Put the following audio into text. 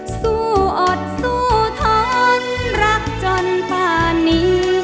สู้อดสู้ท้อนรักจนป่านี